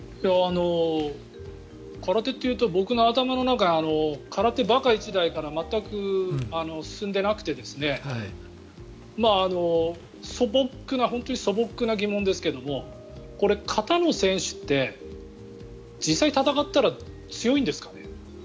空手というと僕の中では「空手バカ一代」から全く進んでいなくて本当に素朴な疑問ですけども形の選手って実際戦ったら強いんですかね。